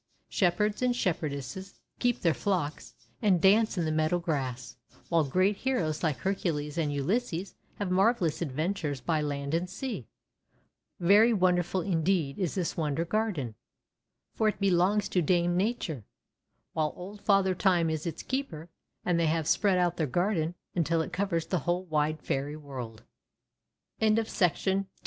Shepherds and Shep herdesses keep their flocks, and dance in the meadow grass; while great heroes like Hercules and Ulysses have marvellous adventures by land and sea. Very wonderful, indeed, is this Wonder Gar 4 THE WONDER GARDEN den; for it belongs to Dame Nature, while Old Father Time is its keeper, and they have spread out their garden until it covers the whole wide Fair